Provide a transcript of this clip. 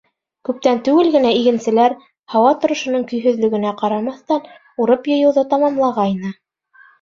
Күптән түгел генә игенселәр, һауа торошоноң көйһөҙлөгөнә ҡарамаҫтан, урып йыйыуҙы тамамлағайны.